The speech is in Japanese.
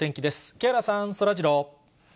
木原さん、そらジロー。